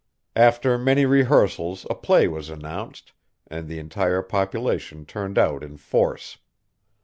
After many rehearsals a play was announced, and the entire population turned out in force.